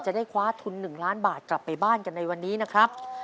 จะได้คว้าทุน๑ล้านบาทกลับไปบ้านกันในวันนี้นะครับ